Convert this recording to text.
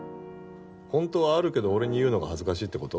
本当はあるけど俺に言うのが恥ずかしいって事？